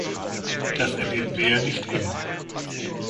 Das erleben wir ja nicht immer.